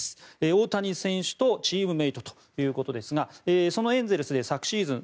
大谷選手とチームメートということですがエンゼルスで昨シーズン